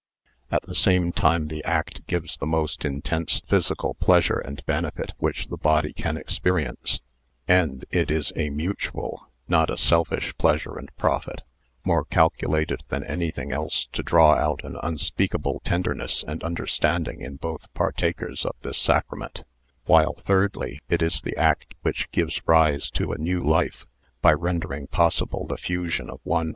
At the same time the act gives the most intense physical pleasure and benefit which the body can ex perience, and it is a mutual, not a selfish, pleasure and profit, more calculated than anything else to draw out an unspeakable tenderness and understanding in both partakers of this sacrament; while, thirdly, it is the act which gives rise to a new life by rendering possible the fusion of one.